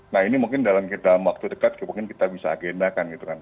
nah ini mungkin dalam waktu dekat mungkin kita bisa agendakan gitu kan